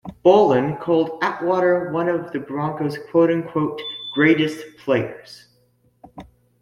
Bowlen called Atwater one of the Broncos "greatest players".